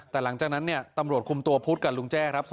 แต่หลังจากนั้นตำรวจคุมตัวพุทธกับลุงแจ้ครับ